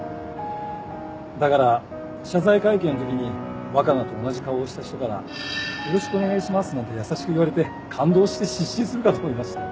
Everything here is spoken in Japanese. だから謝罪会見のときに若菜と同じ顔をした人から「よろしくお願いします」なんて優しく言われて感動して失神するかと思いましたよ。